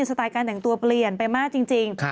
สไตล์การแต่งตัวเปลี่ยนไปมากจริง